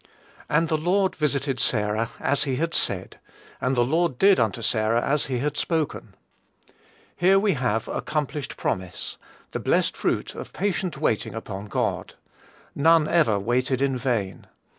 "And the Lord visited Sarah, as he had said, and the Lord did unto Sarah as he had spoken." Here we have accomplished promise, the blessed fruit of patient waiting upon God. None ever waited in vain.